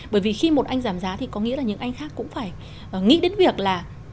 bởi vì khi một anh giảm giá thì có nghĩa là những anh khác cũng phải nghĩ đến việc là